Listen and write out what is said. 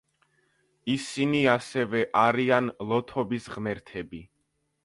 ისინი ასევე არიან ლოთობის ღმერთები.